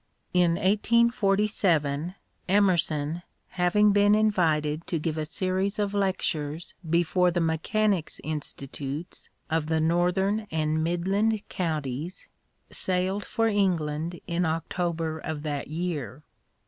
In 1 847 Emerson, having been invited to give a series of lectures before the Mechanics' Institutes of the Northern and Midland Counties, sailed for England in October of that year.